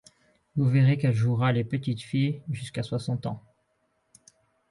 Vous verrez qu'elle jouera les petites filles jusqu'à soixante ans.